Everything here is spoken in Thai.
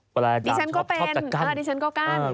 แบรนดามชอบจัดกั้นดิฉันก็เป็นดิฉันก็กั้น